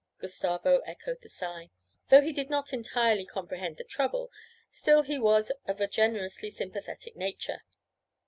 Gustavo echoed the sigh. Though he did not entirely comprehend the trouble, still he was of a generously sympathetic nature.